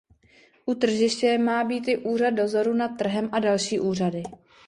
U tržiště má být i úřad dozoru nad trhem a další úřady.